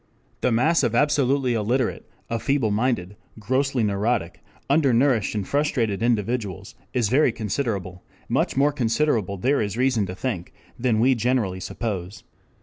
The mass of absolutely illiterate, of feeble minded, grossly neurotic, undernourished and frustrated individuals, is very considerable, much more considerable there is reason to think than we generally suppose.